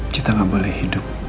kita gak boleh hidup